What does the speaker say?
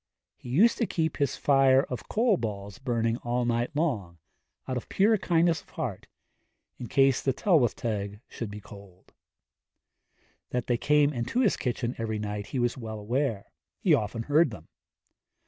He used to keep his fire of coal balls burning all night long, out of pure kindness of heart, in case the Tylwyth Teg should be cold. That they came into his kitchen every night he was well aware; he often heard them.